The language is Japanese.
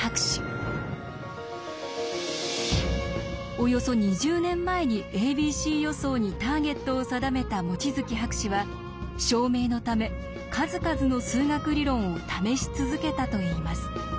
およそ２０年前に「ａｂｃ予想」にターゲットを定めた望月博士は証明のため数々の数学理論を試し続けたといいます。